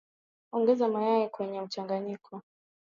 Ongeza mayai kwenye mchanganyiko